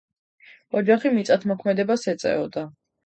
ოჯახი მიწათმოქმედებას ეწეოდა.